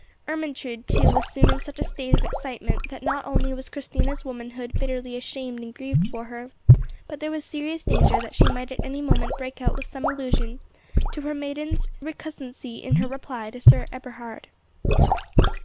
Ermentrude, too, was soon in such a state of excitement, that not only was Christina's womanhood bitterly ashamed and grieved for her, but there was serious danger that she might at any moment break out with some allusion to her maiden's recusancy in her reply to Sir Eberhard.